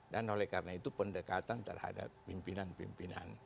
dan oleh karena itu pendekatan terhadap pimpinan pimpinan